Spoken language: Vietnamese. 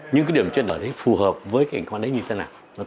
nhưng cái điểm chân ở đấy phù hợp với cảnh quan đấy như thế nào